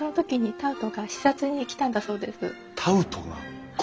タウトが？